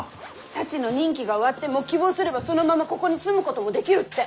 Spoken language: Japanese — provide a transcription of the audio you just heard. サチの任期が終わっても希望すればそのままここに住むこともできるって。